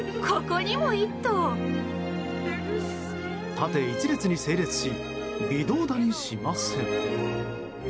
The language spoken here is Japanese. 縦１列に整列し微動だにしません。